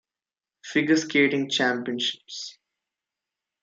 Figure Skating Championships.